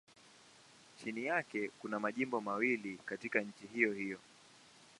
Chini yake kuna majimbo mawili katika nchi hiyohiyo.